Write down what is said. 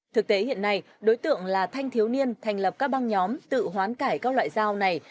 thực tế hiện nay đối tượng là thanh thiếu niên thành lập các băng nhóm tự hoán cải các loại dao này